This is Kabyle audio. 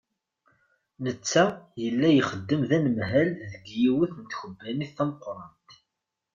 Netta, yalla ixeddem d anemhal deg yiwet n tkebbanit tameqqrant.